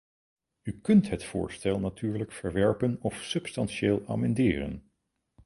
U kunt het voorstel natuurlijk verwerpen of substantieel amenderen.